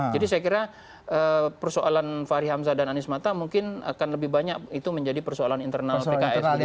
jadi saya kira persoalan fahri hamzah dan arismata mungkin akan lebih banyak itu menjadi persoalan internal pks